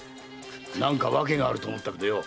何か訳があると思ってよ。